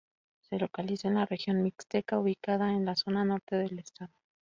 Se localiza en la región mixteca ubicada en la zona norte del estado.